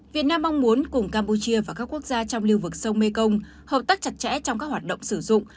việt nam mong muốn cùng campuchia và các quốc gia trong lưu vực sông mekong hợp tác chặt chẽ trong các hoạt động sử dụng